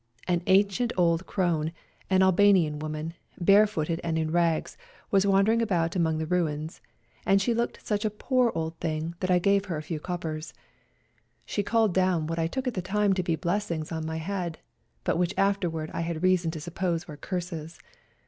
An ancient old crone, an Albanian woman, barefooted and in rags, was wandering about among the ruins, and she looked such a poor old 130 FIGHTING ON MOUNT CHUKUS thing that I gave her a few coppers. She called down what I took at the time to be blessings on my head, but which afterwards I had reason to suppose were curses.